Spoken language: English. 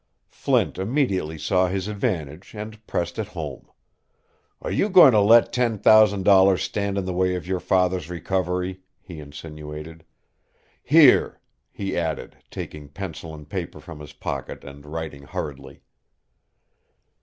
Flint immediately saw his advantage and pressed it home. "Are you going to let ten thousand dollars stand in the way of your father's recovery?" he insinuated. "Here," he added, taking pencil and paper from his pocket and writing hurriedly.